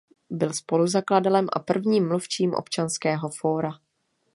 Byl spoluzakladatelem a prvním mluvčím Občanského fóra.